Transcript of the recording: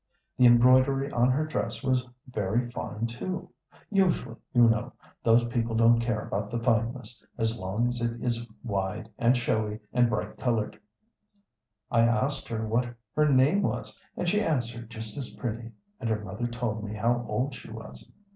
The embroidery on her dress was very fine, too. Usually, you know, those people don't care about the fineness, as long as it is wide, and showy, and bright colored. I asked her what her name was, and she answered just as pretty, and her mother told me how old she was.